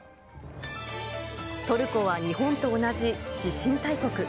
トルコは日本と同じ地震大国。